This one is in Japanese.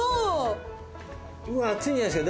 熱いんじゃないですか？